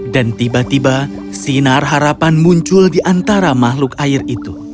dan tiba tiba sinar harapan muncul di antara makhluk air itu